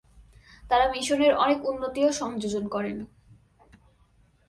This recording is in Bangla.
তারা মিশনের অনেক উন্নতি ও সংযোজন করেন।